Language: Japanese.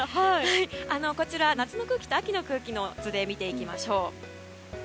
こちら、夏の空気と秋の空気の図で見ていきましょう。